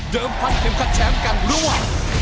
เดิมพันเข็มคัดแชมป์กันรวม